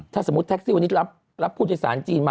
ถ้าสมมุติแท็กซี่วันนี้รับผู้โดยสารจีนมา